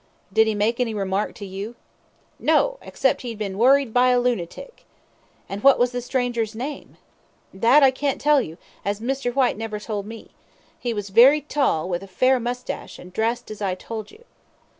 "Did he make any remark to you?" "No; except he'd been worried by a loonatic." "And what was the stranger's name?" "That I can't tell you, as Mr. Whyte never told me. He was very tall, with a fair moustache, an' dressed as I told you."